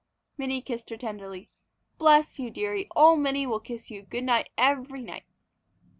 Minnie kissed her tenderly. "Bless you, dearie, old Minnie will kiss you good night every night!"